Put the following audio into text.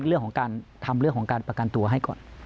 เรื่องของการทำเรื่องของการประกันตัวให้ก่อน